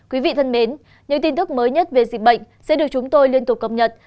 quý vị thân mến những tin tức mới nhất về dịch bệnh sẽ được chúng tôi liên tục cập nhật